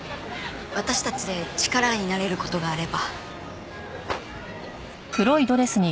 私たちで力になれる事があれば。